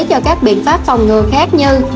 cho các biện pháp phòng ngừa khác như